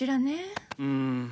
うん。